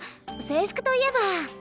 制服といえば。